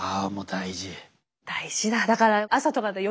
大事だ。